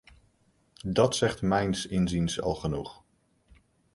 Dat zegt mijns inziens al genoeg.